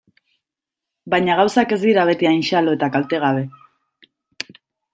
Baina gauzak ez dira beti hain xalo eta kaltegabe.